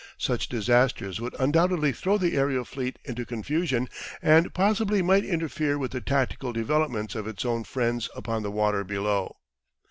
Such disasters would undoubtedly throw the aerial fleet into confusion, and possibly might interfere with the tactical developments of its own friends upon the water below.